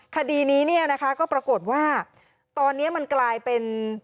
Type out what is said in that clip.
คดีนี้เนี่ยนะคะก็ปรากฏว่าตอนนี้มันกลายเป็น